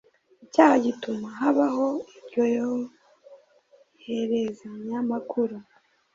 icyaha gituma habaho iryo yoherezanya makuru.